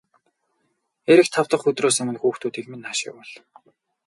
Ирэх тав дахь өдрөөс өмнө хүүхдүүдийг минь нааш нь явуул.